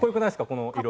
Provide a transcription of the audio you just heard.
この色。